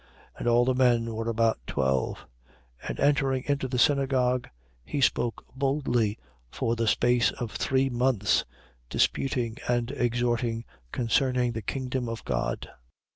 19:7. And all the men were about twelve. 19:8. And entering into the synagogue, he spoke boldly for the space of three months, disputing and exhorting concerning the kingdom of God.